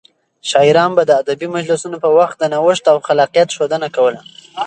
شاعران به د ادبي مجلسونو په وخت د نوښت او خلاقيت ښودنه کوله.